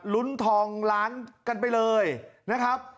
ลุ้นทองล้านกันไปเลยนะครับ